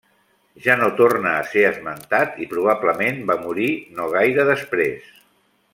Ja no torna a ser esmentat i probablement va morir no gaire després.